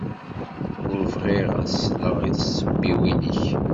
Ur bɣiɣ ad sleɣ i tsebbiwin-ik.